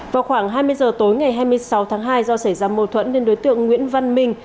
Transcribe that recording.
vào khoảng hai mươi giờ tối ngày hai mươi sáu tháng hai do xảy ra mâu thuẫn nên đối tượng nguyễn văn minh